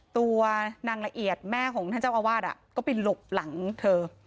ตัวนางละเอียดแม่ของท่านเจ้าอาวาสก็ไปหลบหลังเธอ